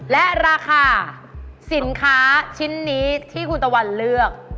และราคาสินค้าชิ้นนี้ที่คุณตะวันเลือก